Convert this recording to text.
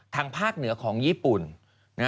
ทางภาคเหนือของญี่ปุ่น